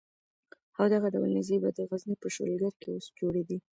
او دغه ډول نېزې به د غزني په شلګر کې جوړېدې.